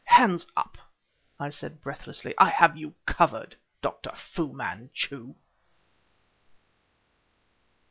"Hands up!" I said breathlessly. "I have you covered, Dr. Fu Manchu!"